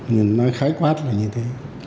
mình nói khái quát là như thế